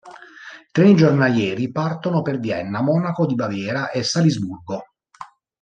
Treni giornalieri partono per Vienna, Monaco di Baviera e Salisburgo.